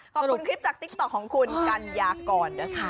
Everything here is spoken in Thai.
ขอบคุณคลิปจากติ๊กต๊อกของคุณกัญญากรนะคะ